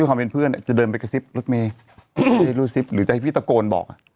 ความเป็นเพื่อนจะเดินไปกระซิบรถเมย์ไม่รู้ซิปหรือจะให้พี่ตะโกนบอกอ่ะ